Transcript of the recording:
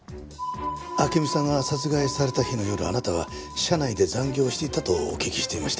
暁美さんが殺害された日の夜あなたは社内で残業していたとお聞きしていましたが。